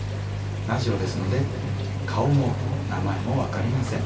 ラジオですので顔も名前も分かりません。